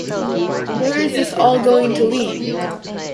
Where is this all going to lead?